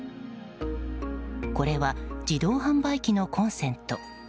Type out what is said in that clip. これは自動販売機のコンセント。